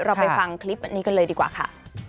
ไปฟังคลิปอันนี้กันเลยดีกว่าค่ะ